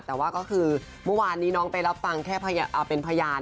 แต่ว่าก็คือเมื่อวานนี้น้องไปรับฟังแค่เป็นพยาน